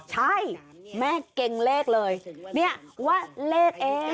ใช่แม่เก่งเลขเลยเนี่ยว่าเลขเอง